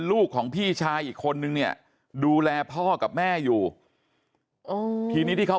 ลูกของพี่ชายอีกคนนึงเนี่ยดูแลพ่อกับแม่อยู่ทีนี้ที่เขา